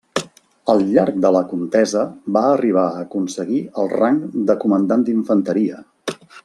Al llarg de la contesa va arribar a aconseguir el rang de comandant d'infanteria.